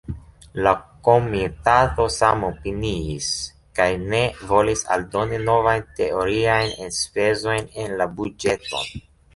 La Komitato samopiniis, kaj ne volis aldoni novajn teoriajn enspezojn en la buĝeton.